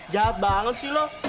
jawab banget sih lo